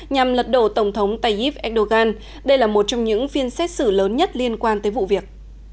nhằm lật đổ tổng thống tayyip erdogan đây là một trong những phiên xét xử lớn nhất liên quan tới vụ việc